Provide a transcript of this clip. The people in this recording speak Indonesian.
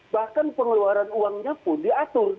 bahkan pengeluaran uangnya pun diatur